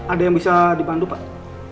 ada yang bisa dipandu pak